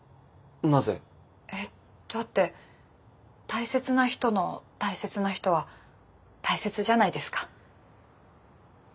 なぜ？えだって大切な人の大切な人は大切じゃないですか。